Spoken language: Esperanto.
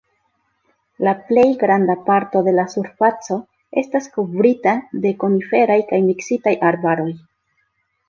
La plej granda parto de la surfaco estas kovrita de koniferaj kaj miksitaj arbaroj.